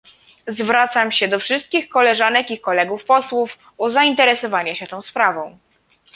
Zwracam się do wszystkich koleżanek i kolegów posłów o zainteresowanie się tą sprawą